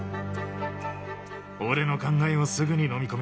俺の考えをすぐに飲み込みやがった。